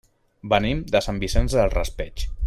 Venim de Sant Vicent del Raspeig.